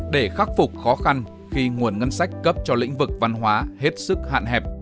để khắc phục khó khăn khi nguồn ngân sách cấp cho lĩnh vực văn hóa hết sức hạn hẹp